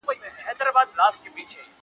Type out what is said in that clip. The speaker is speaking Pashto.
اورېدونکی او لوستونکی باید لومړی پوه سي -